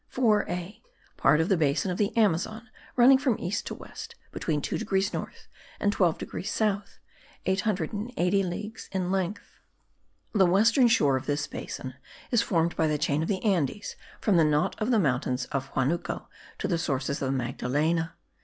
(4a.) PART OF THE BASIN OF THE AMAZON, RUNNING FROM EAST TO WEST, BETWEEN 2 DEGREES NORTH AND 12 DEGREES SOUTH; 880 LEAGUES IN LENGTH. The western shore of this basin is formed by the chain of the Andes, from the knot of the mountains of Huanuco to the sources of the Magdalena.